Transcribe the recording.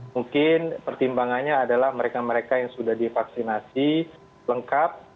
mungkin pertimbangannya adalah mereka mereka yang sudah divaksinasi lengkap